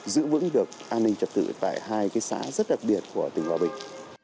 giữ vững được an ninh trật tự tại hai xã rất đặc biệt của tỉnh hòa bình